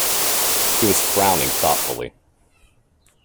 He was frowning thoughtfully.